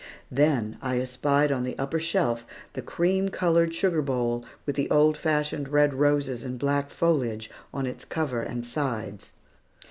Then I espied on the upper shelf the cream colored sugar bowl, with the old fashioned red roses and black foliage on its cover and sides.